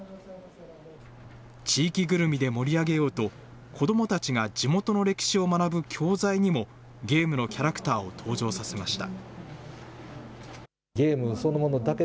地域ぐるみで盛り上げようと、子どもたちが地元の歴史を学ぶ教材にも、ゲームのキャラクターを登場させました。